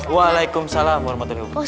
waalaikumsalam warahmatullahi wabarakatuh